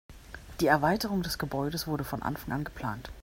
Die Erweiterung des Gebäudes wurde von Anfang an geplant.